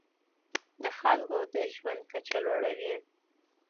د خلکو د ژوند کچه لوړوي.